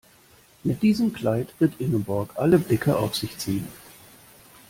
Mit diesem Kleid wird Ingeborg alle Blicke auf sich ziehen.